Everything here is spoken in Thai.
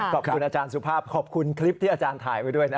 ขอบคุณอาจารย์สุภาพขอบคุณคลิปที่อาจารย์ถ่ายไว้ด้วยนะ